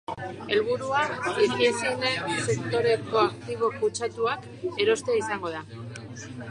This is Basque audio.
Helburua higiezinen sektoreko aktibo kutsatuak erostea izango da.